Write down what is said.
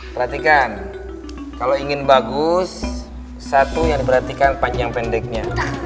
perhatikan kalau ingin bagus satu yang diperhatikan panjang pendeknya